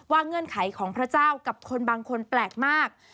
เงื่อนไขของพระเจ้ากับคนบางคนแปลกมาก